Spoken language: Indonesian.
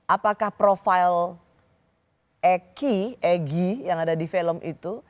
apakah profil eki egy yang ada di film itu